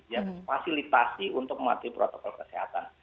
jadi fasilitasi untuk mematuhi protokol kesehatan